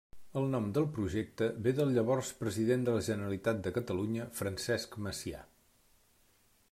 El nom del projecte ve del llavors president de la Generalitat de Catalunya, Francesc Macià.